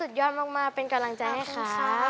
ยอดมากเป็นกำลังใจให้ค่ะ